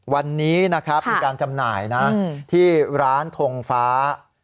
วันนี้มีการจำหน่ายที่ร้านทงฟ้า